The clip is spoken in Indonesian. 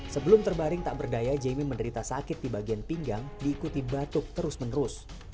sebelum terbaring tak berdaya jemmy menderita sakit di bagian pinggang diikuti batuk terus menerus